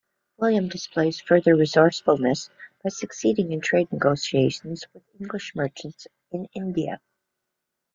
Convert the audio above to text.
William displays further resourcefulness by succeeding in trade negotiations with English merchants in India.